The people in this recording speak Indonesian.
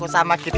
ada apaan sih